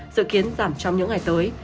dự kiến giảm trong những ngày tới